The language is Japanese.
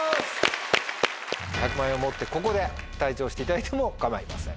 １００万円を持ってここで退場していただいても構いません。